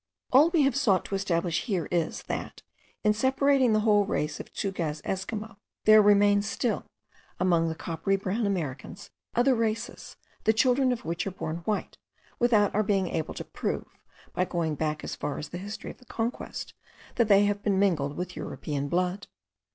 All we have sought to establish here is, that, in separating the whole race of Tschougaz Esquimaux, there remain still, among the coppery brown Americans, other races, the children of which are born white, without our being able to prove, by going back as far as the history of the Conquest, that they have been mingled with European blood.